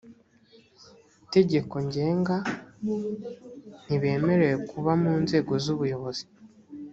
tegeko ngenga ntibemerewe kuba mu nzego z ubuyobozi